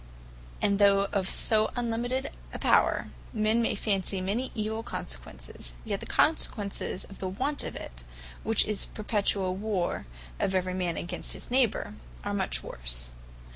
And though of so unlimited a Power, men may fancy many evill consequences, yet the consequences of the want of it, which is perpetuall warre of every man against his neighbour, are much worse.